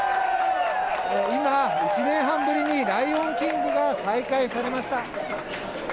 今、１年半ぶりにライオンキングが再開されました。